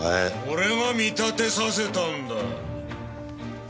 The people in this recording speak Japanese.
俺が見立てさせたんだ！